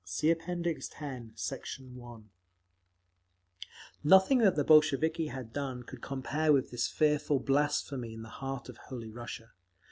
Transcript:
(See App. X, Sect. 1) Nothing that the Bolsheviki had done could compare with this fearful blasphemy in the heart of Holy Russia.